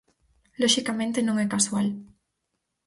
Loxicamente non é casual.